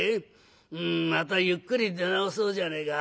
またゆっくり出直そうじゃねえか。